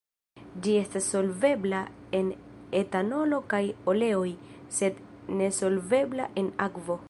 Ĝi estas solvebla en etanolo kaj oleoj, sed nesolvebla en akvo.